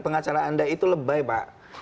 pengacara anda itu lebay pak